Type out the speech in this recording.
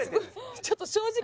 ちょっと正直ね。